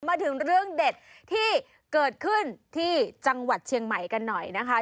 มาถึงเรื่องเด็ดที่เกิดขึ้นที่จังหวัดเชียงใหม่กันหน่อยนะคะ